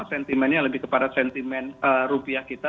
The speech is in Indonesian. sentimennya lebih kepada sentimen rupiah kita